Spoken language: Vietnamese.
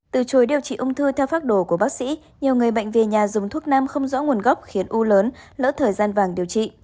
từ chối điều trị ung thư theo phác đồ của bác sĩ nhiều người bệnh về nhà dùng thuốc nam không rõ nguồn gốc khiến u lớn lỡ thời gian vàng điều trị